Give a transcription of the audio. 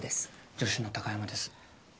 助手の貴山です。